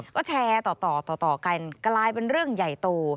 ก็แชร์ต่อกลายเป็นเรื่องใหญ่โต